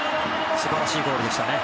素晴らしいゴールでしたね。